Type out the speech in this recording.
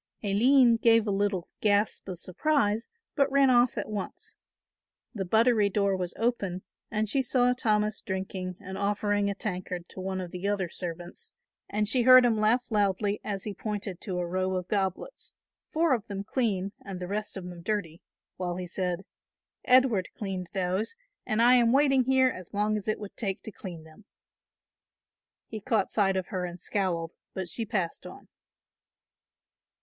Aline gave a little gasp of surprise, but ran off at once. The buttery door was open and she saw Thomas drinking and offering a tankard to one of the other servants, and she heard him laugh loudly as he pointed to a row of goblets, four of them clean and the rest of them dirty, while he said, "Edward cleaned those, and I am waiting here as long as it would take to clean them." He caught sight of her and scowled, but she passed on.